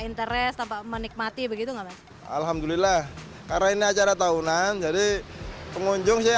interest tanpa menikmati begitu alhamdulillah karena ini acara tahunan jadi pengunjung saya